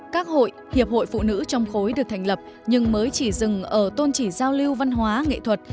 các hội hiệp hội phụ nữ trong khối được thành lập nhưng mới chỉ dừng ở tôn chỉ giao lưu văn hóa nghệ thuật